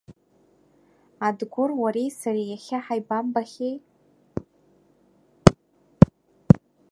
Адгәыр, уареи сареи иахьа ҳаибамбахьеи!